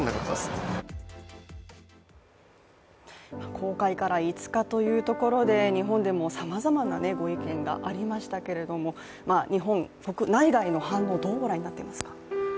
公開から５日というところで日本でもさまざまなご意見がありましたけれども日本、国内外の反応、どうご覧になっていますか？